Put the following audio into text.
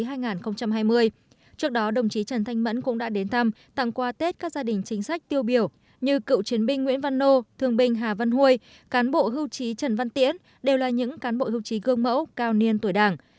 trước đó đồng chí trần thanh mẫn cũng đã đến thăm tặng quà tết các gia đình chính sách tiêu biểu như cựu chiến binh nguyễn văn nô thương binh hà văn hôi cán bộ hưu trí trần văn tiễn đều là những cán bộ hưu trí gương mẫu cao niên tuổi đảng